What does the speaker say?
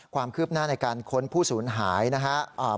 ความคืบหน้าในการค้นผู้สูญหายนะครับ